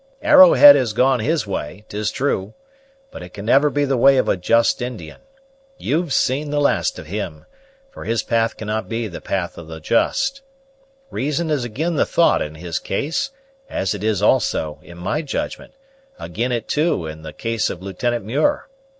Arrowhead has gone his way, 'tis true; but it can never be the way of a just Indian. You've seen the last of him, for his path cannot be the path of the just. Reason is ag'in the thought in his case, as it is also, in my judgment, ag'in it too in the case of Lieutenant Muir.